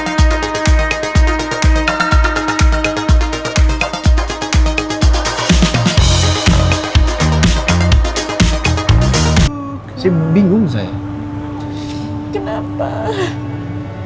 lakuin sesuatu makin baik